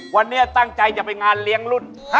วันนี้ตั้งใจจะไปงานเลี้ยงรุ่น